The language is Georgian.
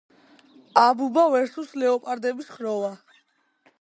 აბუბა vs ლეოპარდების ხროვა